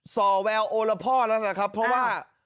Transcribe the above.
ส่อแววโอละพ่อแล้วนะครับเพราะว่า